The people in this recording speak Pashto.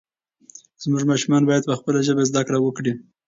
زموږ ماشومان باید په خپله ژبه زده کړه وکړي.